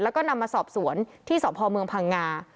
แล้วก็นำมาสอบสวนที่สพเมืองพังงา